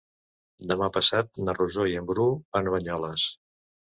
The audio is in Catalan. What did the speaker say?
Demà passat na Rosó i en Bru van a Banyoles.